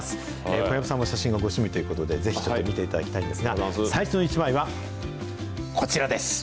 小籔さんも写真がご趣味ということで、ぜひ、ちょっと見ていただきたいんですが、最初のイチマイは、こちらです。